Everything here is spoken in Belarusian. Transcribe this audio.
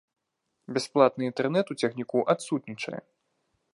Бясплатны інтэрнэт у цягніку адсутнічае.